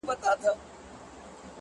څوک د مئين سره په نه خبره شر نه کوي _